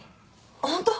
ホント？